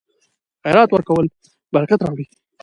خیرات ورکول برکت راوړي.